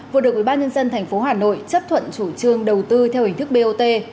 vừa được ubnd tp hà nội chấp thuận chủ trương đầu tư theo hình thức bot